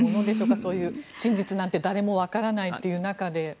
そういう真実なんて誰もわからないという中で。